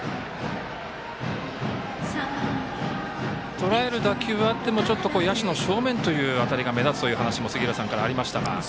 とらえる打球はあってもちょっと野手の正面という当たりが目立つという話も杉浦さんからありましたが。